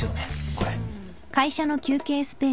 これ。